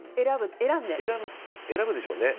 選ぶでしょうね